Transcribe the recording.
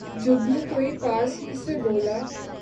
جگنو کوئی پاس ہی سے بولا